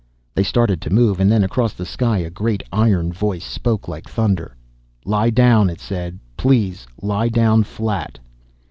They started to move, and then across the sky a great iron voice spoke like thunder. "Lie down," it said, "please. Lie down flat."